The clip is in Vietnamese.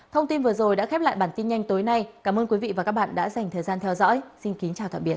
thông tin vừa rồi đã khép lại bản tin nhanh tối nay cảm ơn quý vị và các bạn đã dành thời gian theo dõi xin kính chào tạm biệt